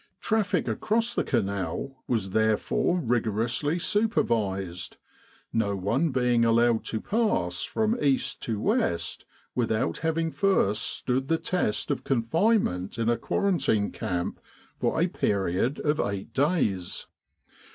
Traffic across the Canal was therefore rigorously supervised, no one being allowed to pass from east to west without having first stood the test of confinement in a quarantine camp for a period of eight days.